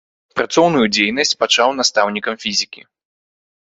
Працоўную дзейнасць пачаў настаўнікам фізікі.